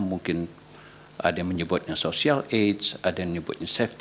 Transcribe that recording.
mungkin ada yang menyebutnya social age ada yang menyebutnya social disability